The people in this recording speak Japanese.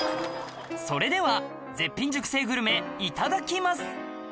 それでは絶品熟成グルメいただきます